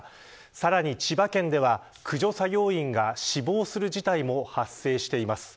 さらに千葉県では駆除作業員が死亡する事態も発生しています。